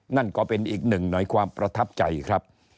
นั่นก็เป็นอีกหนึ่งหน่อยความประทับใจครับ